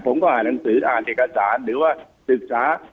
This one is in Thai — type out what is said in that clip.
ผมก็อ่านหนังสืออ่านเอกสารหรือว่าศึกษา